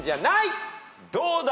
どうだ！？